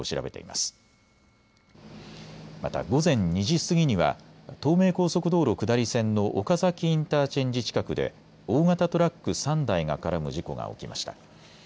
また午前２時過ぎには東名高速道路下り線の岡崎インターチェンジ近くで大型トラック３台が絡む事故が起きました。